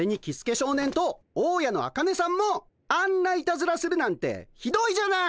少年と大家のアカネさんもあんないたずらするなんてひどいじゃない！